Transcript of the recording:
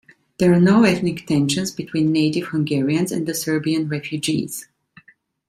There are no ethnic tensions between native Hungarians and the Serbian refugees.